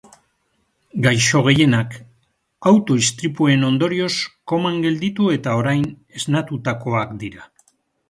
Gaixo gehienak auto istripuen ondorioz koman gelditu eta orain esnatutakoak dira.